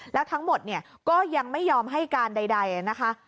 แล้วทั้งหมดเนี่ยก็ยังไม่ยอมให้การใดนะคะ